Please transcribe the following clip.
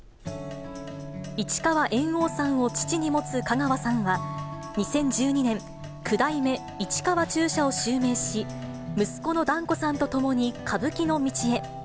市川猿翁さんを父に持つ香川さんは、２０１２年、九代目市川中車を襲名し、息子の團子さんとともに歌舞伎の道へ。